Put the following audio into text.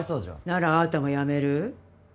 ならあなたも辞める？